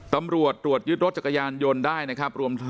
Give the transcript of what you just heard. ตำรวจตรวจยึดรถจักรยานยนต์ได้นะครับ